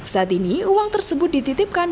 saat ini uang tersebut dititipkan